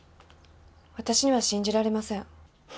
私には信じられません。